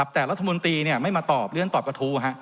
แต่รัฐมนตรีไม่มาตอบเรื่องตอบกระทู้